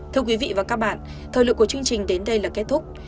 thưa quý vị và các bạn thời lượng của chương trình đến đây là kết thúc